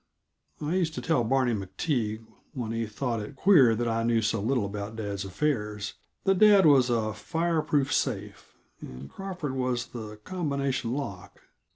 I used to tell Barney MacTague, when he thought it queer that I knew so little about dad's affairs, that dad was a fireproof safe, and Crawford was the combination lock.